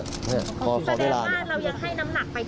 ประเด็นมากเรายังให้น้ำหนักไปที่เรื่องของการรักษาตัวถูกต้องไหมคะ